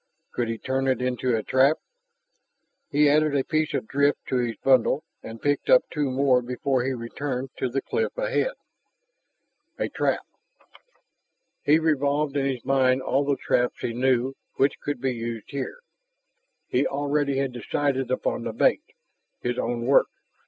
Could he turn it into a trap? He added a piece of drift to his bundle and picked up two more before he returned to the cliff ahead. A trap.... He revolved in his mind all the traps he knew which could be used here. He already had decided upon the bait his own work.